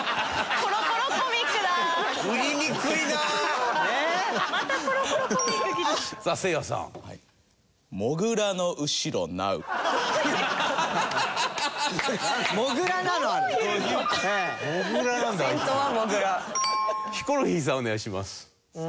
ヒコロヒーさんお願いします。